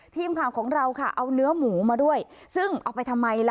ทีมข่าวของเราค่ะเอาเนื้อหมูมาด้วยซึ่งเอาไปทำไมล่ะ